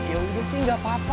ya udah sih gak apa apa